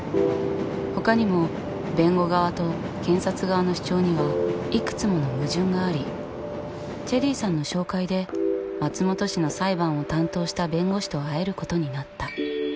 他にも弁護側と検察側の主張にはいくつもの矛盾がありチェリーさんの紹介で松本氏の裁判を担当した弁護士と会えることになった。